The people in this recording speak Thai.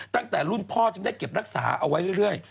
ตั้งแต่รุ่นพ่อจึงได้เก็บรักษาเอาไว้เรื่อย